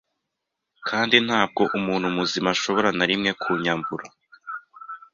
Kandi ntabwo umuntu muzima ashobora na rimwe kunyambura